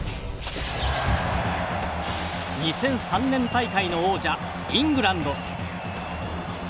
２００３年大会の王者イングランド。